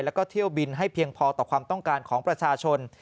แล้วก็เที่ยวบินให้เพียงพอต่อความต้องการของประชาชน